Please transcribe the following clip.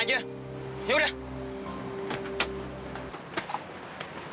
kau jangan pegang tangan saya